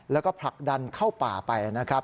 แล้วก็ผลักดันเข้าป่าไปนะครับ